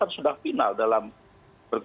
maksudnya kita harus bertimbangkan kekuatan politik